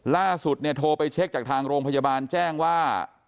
ล่าสุดเนี่ยโทรไปเช็คจากทางโรงพยาบาลแจ้งว่า